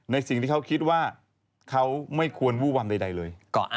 สิ่งที่เขาคิดว่าเขาไม่ควรวูบว่ำใดเลย